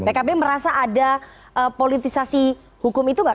pkb merasa ada politisasi hukum itu nggak